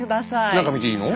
中見ていいの？